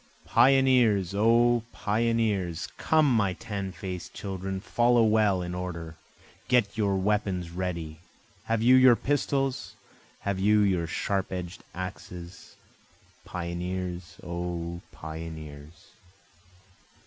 Pioneers! O Pioneers! Come my tan faced children, Follow well in order, get your weapons ready, Have you your pistols? have you your sharp edged axes? Pioneers! O pioneers!